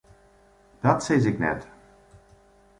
Dat sis ik net.